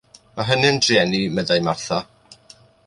Mae hynny'n drueni, meddai Martha.